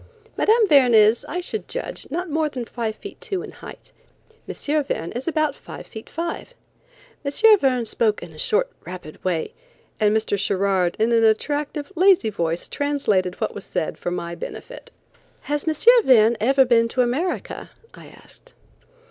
Mme. Verne is, I should judge, not more than five feet two in height; M. Verne about five feet five. M. Verne spoke in a short, rapid way, and Mr. Sherard in an attractive, lazy voice translated what was said for my benefit. "Has M. Verne ever been to America?" I asked.